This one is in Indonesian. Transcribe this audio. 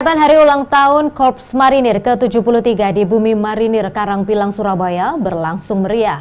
peringatan hari ulang tahun korps marinir ke tujuh puluh tiga di bumi marinir karangpilang surabaya berlangsung meriah